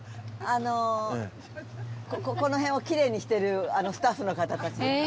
あのこの辺をきれいにしてるスタッフの方たちです。